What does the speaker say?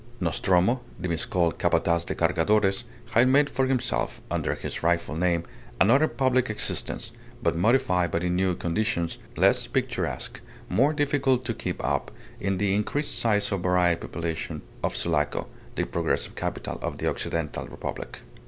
Nostromo, the miscalled Capataz de Cargadores, had made for himself, under his rightful name, another public existence, but modified by the new conditions, less picturesque, more difficult to keep up in the increased size and varied population of Sulaco, the progressive capital of the Occidental Republic.